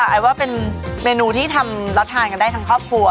ไอ้ว่าเป็นเมนูที่ทำแล้วทานกันได้ทั้งครอบครัว